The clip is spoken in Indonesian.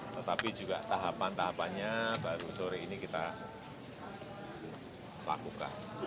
tetapi juga tahapan tahapannya baru sore ini kita lakukan